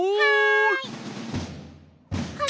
はい！